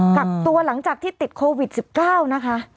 กักตัวหลังจากที่ติดโควิด๑๙นะคะ